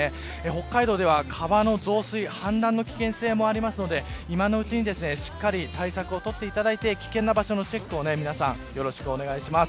北海道では川の増水、氾濫の危険性もありますので今のうちにしっかり対策を取っていただいて危険な場所のチェックを皆さん、よろしくお願いします。